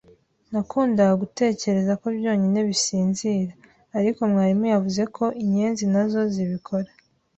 Nakundaga gutekereza ko byonyine bisinzira, ariko mwarimu yavuze ko inyenzi nazo zibikora.